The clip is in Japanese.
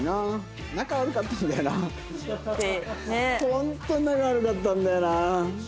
本当に仲悪かったんだよな。